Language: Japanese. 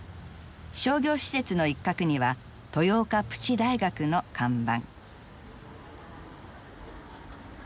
商業施設の一角には豊岡プチ大学の看板。